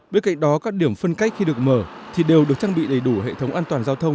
bên cạnh đó các điểm phân cách khi được mở thì đều được trang bị đầy đủ hệ thống an toàn giao thông